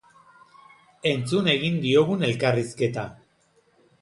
Entzun egin diogun elkarrizketa.